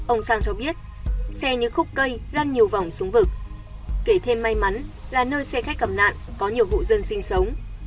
ông sang cho biết xe như khúc cây lăn nhiều vòng xuống vực kể thêm may mắn là nơi xe khách cầm nạn có nhiều vụ dân sinh sống